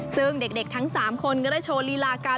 ซึ่งเด็กทั้ง๓คนก็ได้โชว์ลีลาการ